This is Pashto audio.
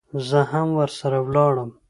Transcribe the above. زه هم ورسره ولاړم.